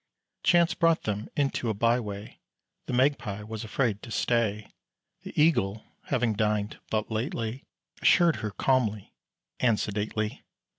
Chance brought them into a by way: The Magpie was afraid to stay. The Eagle, having dined but lately, Assured her calmly and sedately.